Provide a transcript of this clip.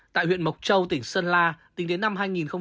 tại huyện mộc châu tỉnh sơn la tính đến năm hai nghìn hai mươi ba